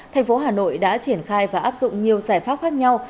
thành phố hà nội đã triển khai và áp dụng nhiều giải pháp khác nhau